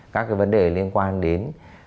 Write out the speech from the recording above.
các cái vấn đề liên quan đến